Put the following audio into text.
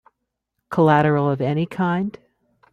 Collateral of any kind?